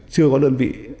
chưa có đơn vị